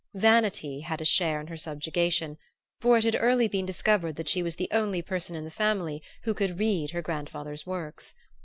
Vanity had a share in her subjugation; for it had early been discovered that she was the only person in the family who could read her grandfather's works.